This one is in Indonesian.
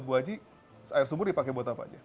bu haji air sumur dipakai buat apa saja